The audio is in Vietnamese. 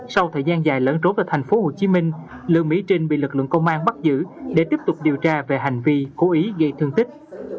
sau thời gian dài lẫn trốn vào thành phố hồ chí minh lữ mỹ trinh bị lực lượng công an bắt giữ để tiếp tục điều tra về hành vi cố ý gây thương tích